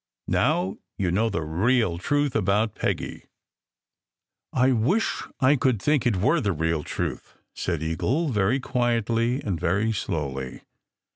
Now you know the real truth about Peggy." "I wish I could think it were the real truth," said Eagle very quietly and very slowly.